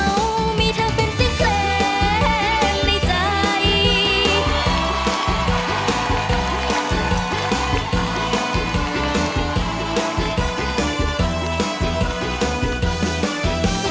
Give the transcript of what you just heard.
ก็มีเธอเป็นสินเสร็จในใจ